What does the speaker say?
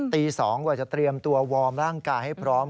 ตี๒กว่าจะเตรียมตัววอร์มร่างกายให้พร้อม